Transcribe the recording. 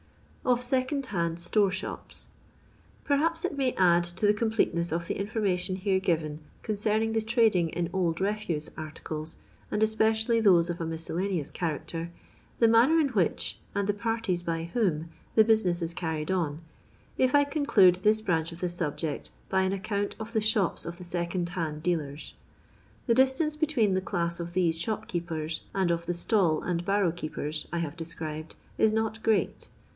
Ov SkOOND HARD StOBB ShOPS. Perhaps it may add to the completeneu of the information here given concerning the trading in old refuse articles, and especially those of a mis cellaneous character, the manner in which, and the parties by whom the business is carried on, if I conclude this branch of the subject by an account of the shops of the second hand dealers. The distance between the class of these shop keepers and of the stall and barrow keepers I have described is not great.